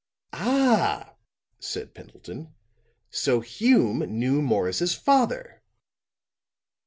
'" "Ah!" said Pendleton. "So Hume knew Morris's father."